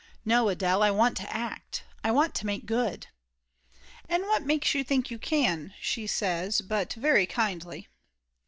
No, Adele, I want to act; I want to make good !" "And what makes you think you can?" she says, but very kindly.